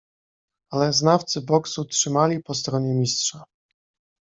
"Ale znawcy boksu trzymali po stronie Mistrza."